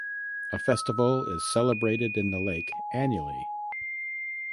A festival is celebrated in the lake annually.